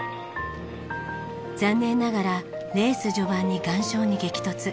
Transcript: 残念ながらレース序盤に岩礁に激突。